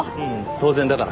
当然だから。